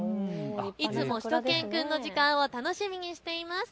いつもしゅと犬くんの時間を楽しみにしています。